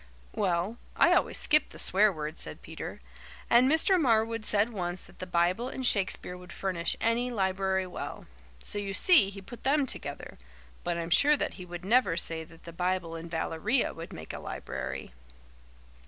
"Well, I always skip the swear words," said Peter. "And Mr. Marwood said once that the Bible and Shakespeare would furnish any library well. So you see he put them together, but I'm sure that he would never say that the Bible and Valeria would make a library."